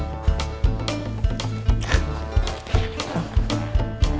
pindah kemana lo